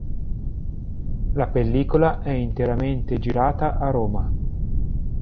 La pellicola è interamente girata a Roma.